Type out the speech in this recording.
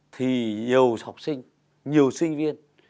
thì nhiều học sinh nhiều sinh viên